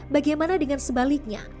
bagaimana dengan sebaliknya